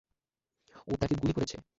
ও তাকে গুলি করেছে।